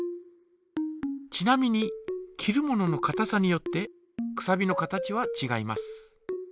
ちなみに切るもののかたさによってくさびの形はちがいます。